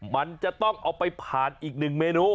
มันจะต้องเอาไปผ่านอีกหนึ่งเมนู